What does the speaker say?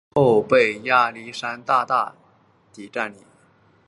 后被亚历山大大帝占领。